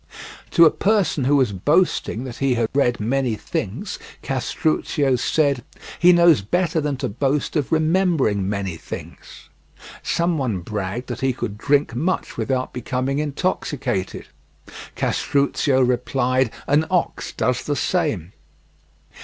To a person who was boasting that he had read many things, Castruccio said: "He knows better than to boast of remembering many things." Someone bragged that he could drink much without becoming intoxicated. Castruccio replied: "An ox does the same."